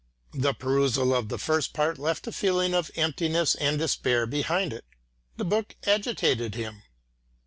The perusal of the first part left a feeling of emptiness and despair behind it. The book agitated him.